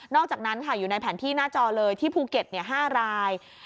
อกจากนั้นค่ะอยู่ในแผนที่หน้าจอเลยที่ภูเก็ต๕ราย